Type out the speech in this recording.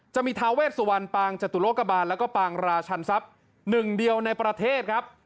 ทาเวชสุวรรณปางจตุโลกบาลแล้วก็ปางราชันทรัพย์หนึ่งเดียวในประเทศครับ